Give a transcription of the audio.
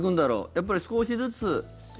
やっぱり少しずつ。